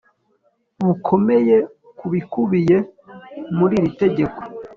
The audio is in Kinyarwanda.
bukomeye ku bikubiye muri iri tegeko